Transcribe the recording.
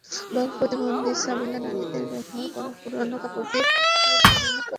বাক্প্রতিবন্ধী সাবিনা নারীদের ব্যবহার করা পুরোনো কাপড় দিয়ে একধরনের কার্পেট তৈরি করছিলেন।